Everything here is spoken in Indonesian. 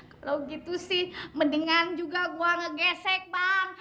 kalau gitu sih mendingan juga gue ngegesek bang